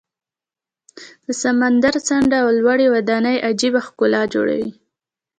د سمندر څنډه او لوړې ودانۍ عجیبه ښکلا جوړوي.